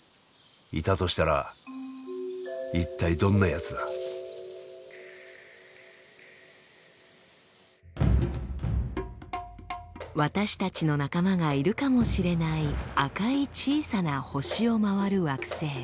いたとしたら一体どんなやつだ？私たちの仲間がいるかもしれない赤い小さな星を回る惑星。